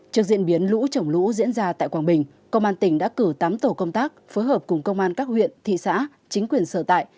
trước diễn biến lũ trồng lũ diễn ra tại quảng bình công an tỉnh đã cử tám tổ công tác phối hợp cùng công an các huyện thị xã chính quyền sở tại